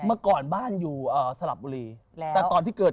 เมื่อก่อนบ้านอยู่สลับบุรี